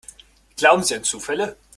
Glauben Sie an Zufälle?